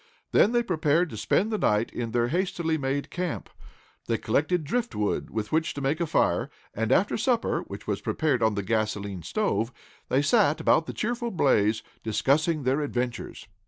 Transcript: Then they prepared to spend the night in their hastily made camp. They collected driftwood, with which to make a fire, and, after supper, which was prepared on the gasolene stove, they sat about the cheerful blaze, discussing their adventures.